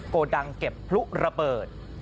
โกดังเก็บพลุระเบิด